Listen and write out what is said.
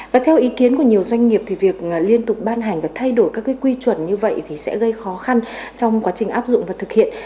và theo ý kiến của nhiều doanh nghiệp thì việc liên tục ban hành và thay đổi các quy chuẩn như vậy thì sẽ gây khó khăn trong quá trình áp dụng và thực hiện